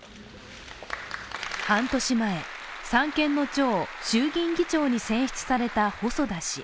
半年前、三権の長、衆議院議長に選出された細田氏。